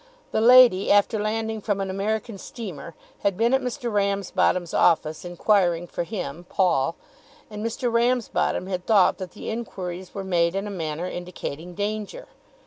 The lady after landing from an American steamer had been at Mr. Ramsbottom's office, inquiring for him, Paul; and Mr. Ramsbottom had thought that the inquiries were made in a manner indicating danger.